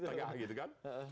ada di tengah gitu kan